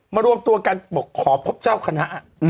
รวมตัวกันบอกขอพบเจ้าคณะ